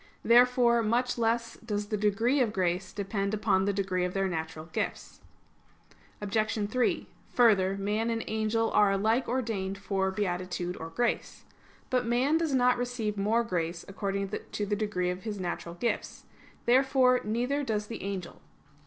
Therefore much less does the degree of grace depend upon the degree of their natural gifts. Obj. 3: Further, man and angel are alike ordained for beatitude or grace. But man does not receive more grace according to the degree of his natural gifts. Therefore neither does the angel.